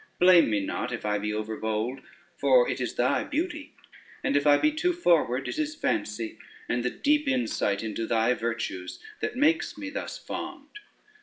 Blame me not if I be overbold for it is thy beauty, and if I be too forward it is fancy, and the deep insight into thy virtues that makes me thus fond.